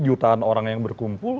jutaan orang yang berkumpul